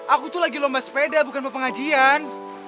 aku tuh lagi lomba sepeda bukan mau pengajian